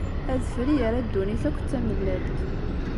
Adfel yerra ddunit akk d tamellalt.